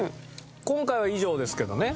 今回は以上ですけどね